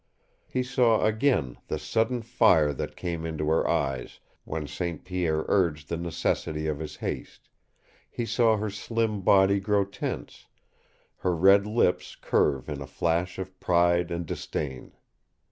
He saw again the sudden fire that came into her eyes when St. Pierre urged the necessity of his haste, he saw her slim body grow tense, her red lips curve in a flash of pride and disdain.